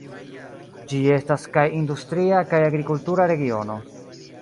Ĝi estas kaj industria kaj agrikultura regiono.